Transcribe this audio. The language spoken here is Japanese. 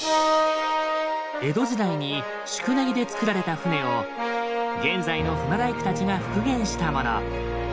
江戸時代に宿根木でつくられた船を現在の船大工たちが復元したもの。